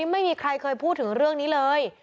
ไม่เคยพูดถึงเรื่องนี้เลย